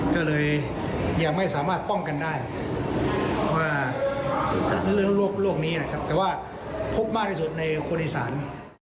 ก็เลยยังไม่สามารถป้องกันได้ว่าเรื่องโรคนี้นะครับแต่ว่าพบมากที่สุดในคนอีสาน